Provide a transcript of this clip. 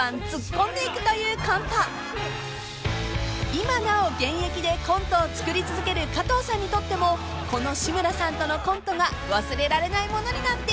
［今なお現役でコントを作り続ける加藤さんにとってもこの志村さんとのコントが忘れられないものになっているそうです］